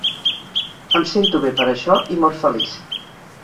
Em sento bé per això i mor feliç.